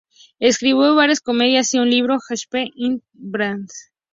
Escribió varias comedias y un libro, "Shakespeare in the Theatre".